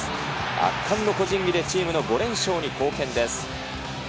圧巻の個人技でチームの５連勝に貢献です。